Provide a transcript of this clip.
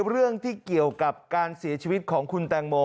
เรื่องที่เกี่ยวกับการเสียชีวิตของคุณแตงโม